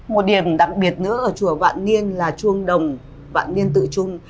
một điểm đặc biệt nữa ở chùa vạn liên là chuông đồng vạn liên tự chung